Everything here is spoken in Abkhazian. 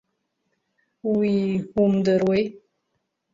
Уи умдыруеи?